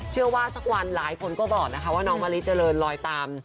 สักวันหลายคนก็บอกนะคะว่าน้องมะลิเจริญลอยตาม